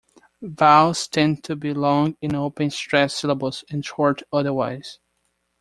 Vowels tend to be long in open stressed syllables and short otherwise.